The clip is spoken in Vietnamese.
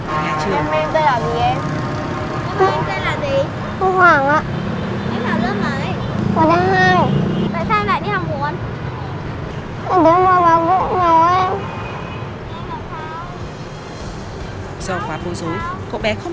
hôm nay đi học muộn thế con